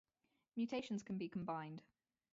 Mutations can be combined.